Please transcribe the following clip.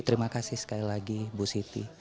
terima kasih sekali lagi bu siti